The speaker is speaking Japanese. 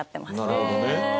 なるほどね。